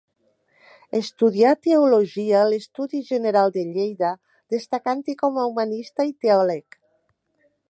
Estudià teologia a l'Estudi General de Lleida, destacant-hi com a humanista i teòleg.